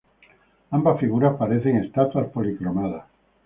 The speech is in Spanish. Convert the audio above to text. Ambas figuras parecen estatuas policromadas.